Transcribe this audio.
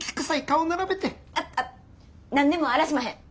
あっあっ何でもあらしまへん。